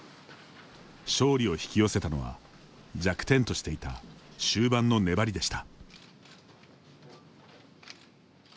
勝利を引き寄せたのは弱点としていた終盤の粘りでした。